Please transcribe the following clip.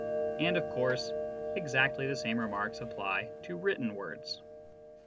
And, of course, exactly the same remarks apply to written words.